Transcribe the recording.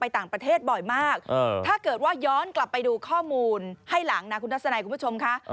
ถ้าเกิดว่าย้อนกลับไปดูข้อมูลให้หลังนะคุณทัศนัยคุณผู้ชมค่ะ